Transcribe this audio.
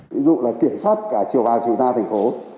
ví dụ là kiểm soát cả chiều vào chiều ra thành phố